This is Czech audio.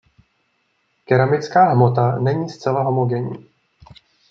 Keramická hmota není zcela homogenní.